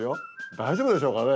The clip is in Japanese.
大丈夫でしょうかね。